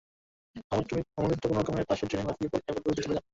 অমল মিত্র কোনো রকমে পাশের ড্রেনে লাফিয়ে পড়ে নিরাপদ দূরত্বে চলে যান।